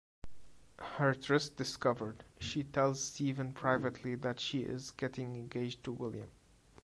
Her tryst discovered, she tells Stephen privately that she is getting engaged to William.